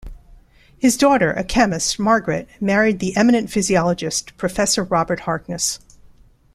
His daughter, a chemist, Margaret, married the eminent physiologist, Professor Robert Harkness.